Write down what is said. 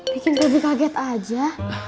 bikin pebri kaget aja